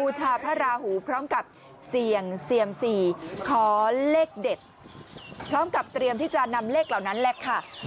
บูชาพระราหูพร้อมกับเสี่ยงเซียมสี่ขอเลขเด็ดพร้อมกับเตรียมที่จะนำเลขเหล่านั้นแหละค่ะ